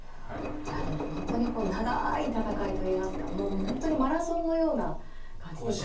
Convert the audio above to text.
いやでも本当に長い戦いといいますかもう本当にマラソンのような感じですよね。